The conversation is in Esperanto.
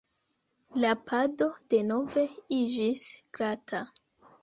La pado denove iĝis glata.